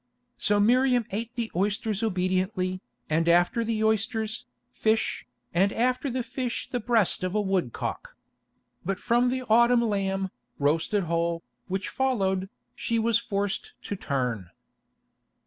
So Miriam ate the oysters obediently, and after the oysters, fish, and after the fish the breast of a woodcock. But from the autumn lamb, roasted whole, which followed, she was forced to turn.